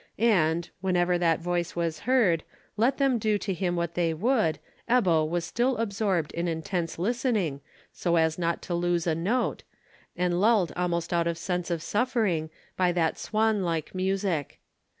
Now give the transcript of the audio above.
And, whenever that voice was heard, let them do to him what they would, Ebbo was still absorbed in intense listening so as not to lose a note, and lulled almost out of sense of suffering by that swan like music.